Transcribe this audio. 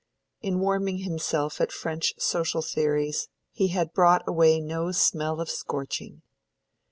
In warming himself at French social theories he had brought away no smell of scorching.